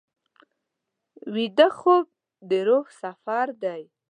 ویده خوب د روح سفر دی